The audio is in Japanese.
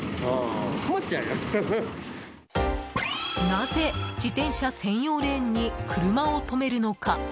なぜ、自転車専用レーンに車を止めるのか？